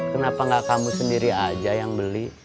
kenapa nggak kamu sendiri aja yang beli